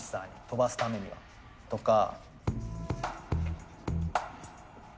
飛ばすためにはとか。